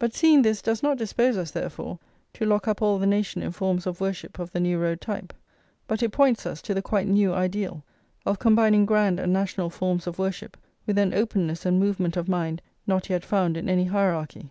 But seeing this does not dispose us, therefore, to lock up all the nation in forms of worship of the New Road type; but it points us to the quite new ideal, of combining grand and national forms of worship with an openness and movement of mind not yet found in any hierarchy.